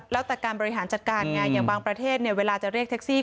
แล้วแต่การบริหารจัดการไงอย่างบางประเทศเนี่ยเวลาจะเรียกแท็กซี่